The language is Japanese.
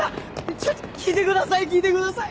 ちょっと聞いてください聞いてください！